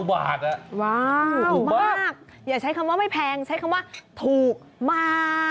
ว้าวมากอย่าใช้คำว่าไม่แพงใช้คำว่าถูกมา